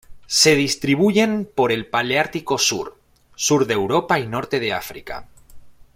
Se distribuyen por el paleártico sur: sur de Europa y norte de África.